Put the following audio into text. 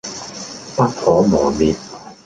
不可磨滅